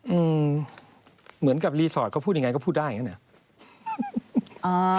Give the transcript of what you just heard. อืมเหมือนกับรีสอร์ทเขาพูดยังไงก็พูดได้อย่างนั้นนะอ่า